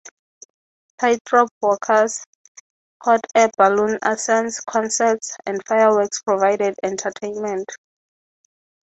Tightrope walkers, hot-air balloon ascents, concerts and fireworks provided entertainment.